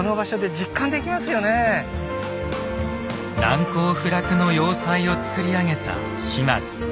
難攻不落の要塞をつくり上げた島津。